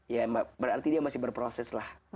ya berarti dia masih berproses lah